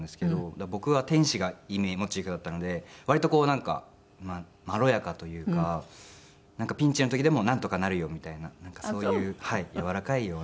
僕は天使がモチーフだったので割とこうなんかまろやかというかなんかピンチの時でもなんとかなるよみたいなそういう柔らかいような。